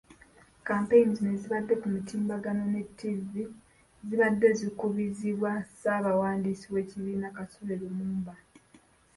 Kampeyini zino ezibadde ku mutimbagano ne Ttivi, zibadde zikubirizibwa ssabawandiisi w’ekibiina Kasule Lumumba.